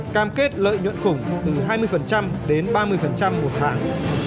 cam kết lợi nhuận khủng từ hai mươi đến ba mươi một tháng